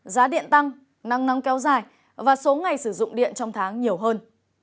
giá điện tăng năng năng kéo dài và số ngày sử dụng điện trong tháng nhiều hơn